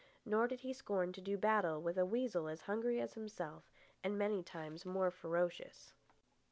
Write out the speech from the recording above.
Nor did he scorn to do battle with a weasel as hungry as himself and many times more ferocious.